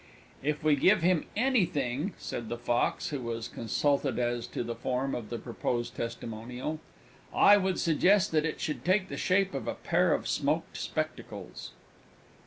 "If we give him anything" said the Fox, who was consulted as to the form of the proposed Testimonial, "I would suggest that it should take the shape of a pair of Smoked Spectacles."